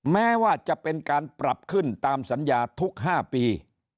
แม้ว่าจะเป็นการปรับขึ้นตามสัญญาทุก๕ปี